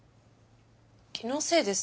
気のせいです。